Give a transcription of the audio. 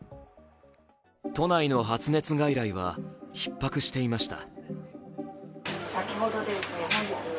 都内の発熱外来はひっ迫していました。